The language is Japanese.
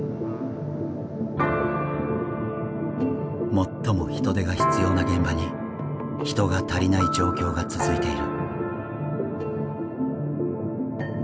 最も人手が必要な現場に人が足りない状況が続いている。